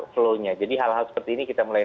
flow nya jadi hal hal seperti ini kita mulai